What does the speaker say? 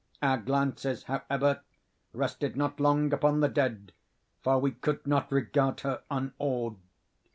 Our glances, however, rested not long upon the dead—for we could not regard her unawed.